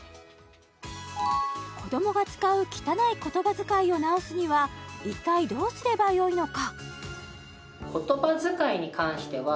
子どもが使う汚い言葉遣いを直すには一体どうすればよいのか？